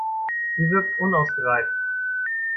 Sie wirkt unausgereift.